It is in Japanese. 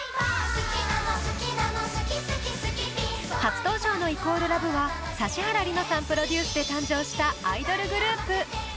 初登場の＝ＬＯＶＥは指原莉乃さんプロデュースで誕生したアイドルグループ。